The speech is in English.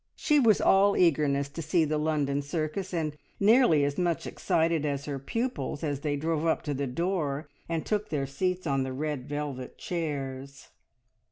She was all eagerness to see the London circus, and nearly as much excited as her pupils, as they drove up to the door, and took their seats on the red velvet chairs.